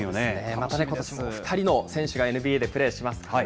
またね、ことしも２人の選手がＮＢＡでプレーしますんでね。